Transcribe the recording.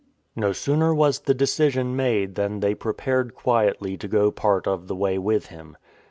No sooner was the decision made than they prepared quietly to go part of the way with him.